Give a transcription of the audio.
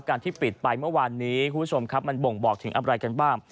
ที่ปิดไปเมื่อวานนี้คุณผู้ชมครับมันบ่งบอกถึงอะไรกันบ้าง